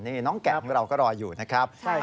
นี่น้องแกะของเราก็รออยู่นะครับ